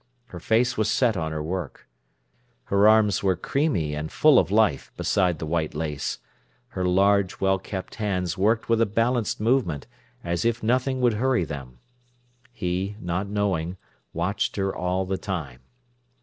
Her face was set on her work. Her arms were creamy and full of life beside the white lace; her large, well kept hands worked with a balanced movement, as if nothing would hurry them. He, not knowing, watched her all the time.